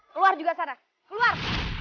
keluar juga sana keluar